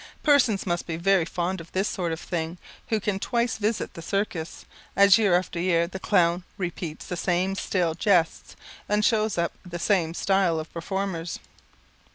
Persons must be very fond of this sort of thing who can twice visit the circus, as year after year the clown repeats the same stale jests, and shows up the same style of performers.